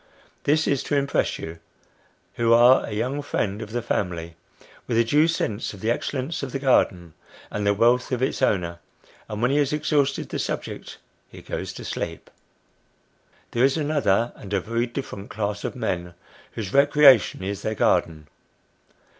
This is to impress you who are a young friend of the family with a due sense of the excellence of the garden, and the wealth of its owner ; and when he has exhausted the subject, he goes to sleep. There is another and a very different class of men, whose recreation is their garden.